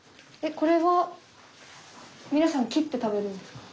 これは皆さん切って食べるんですか？